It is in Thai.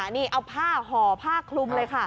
นี่เอาผ้าห่อผ้าคลุมเลยค่ะ